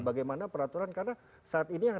bagaimana peraturan karena saat ini yang